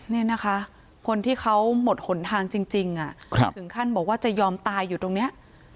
นี่นะคะคนที่เขาหมดหนทางจริงถึงขั้นบอกว่าจะยอมตายอยู่ตรงนี้